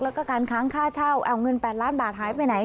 แล้วก็การค้างค่าเช่าเอาเงิน๘ล้านบาทหายไปไหน